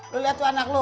lu liat tuh anak lu